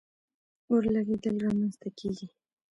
اور لګېدل را منځ ته کیږي.